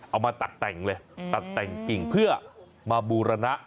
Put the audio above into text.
เอามาตัดแต่งเลยตัดแต่งกิ่งเพื่อมาบูรณะ